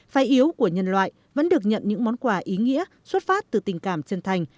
phai yếu của nhân loại vẫn được nhận những món quà ý nghĩa xuất phát từ tình cảm chân thành